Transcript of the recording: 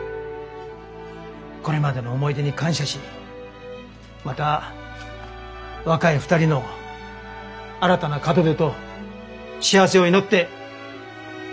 これまでの思い出に感謝しまた若い２人の新たな門出と幸せを祈って。